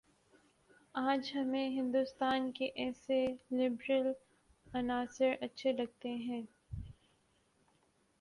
آج ہمیں ہندوستان کے ایسے لبرل عناصر اچھے لگتے ہیں